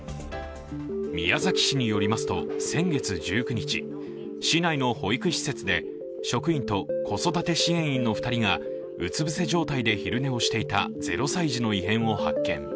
宮崎市によりますと先月１９日、市内の保育施設で職員と子育て支援員の２人がうつぶせ状態で昼寝をしていた０歳児の異変を発見。